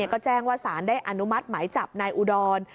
ก็แจ้งว่าสารได้อนุมัติหมายจับนายอุดร